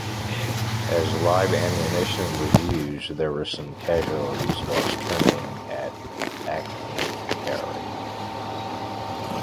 As live ammunition was used, there were some casualties whilst training at Achnacarry.